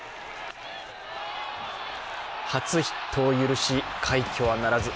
初ヒットを許し、快挙はならず。